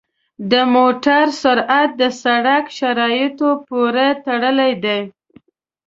د موټر سرعت د سړک شرایطو پورې تړلی دی.